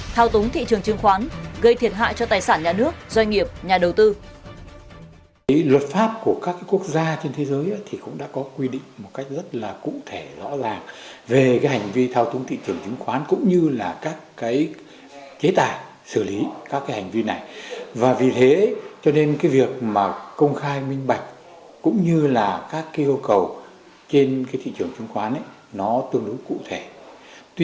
thao túng thị trường chứng khoán gây thiệt hại cho tài sản nhà nước doanh nghiệp nhà đầu tư